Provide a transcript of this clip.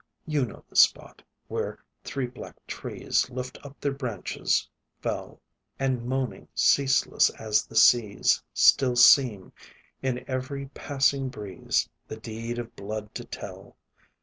You know the spot, where three black trees, Lift up their branches fell, And moaning, ceaseless as the seas, Still seem, in every passing breeze, The deed of blood to tell.